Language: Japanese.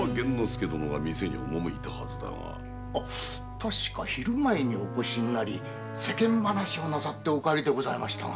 確か昼前にお見えになり世間話をなさってお帰りになりました。